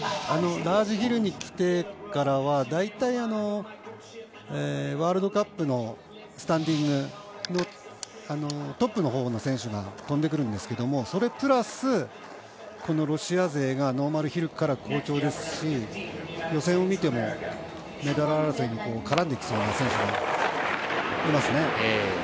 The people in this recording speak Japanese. ラージヒルに来てからはだいたいワールドカップのスタンディングのトップの方の選手が飛んでくるんですがそれプラス、このロシア勢がノーマルヒルから好調ですし予選を見てもメダル争いに絡んできそうな選手がいますね。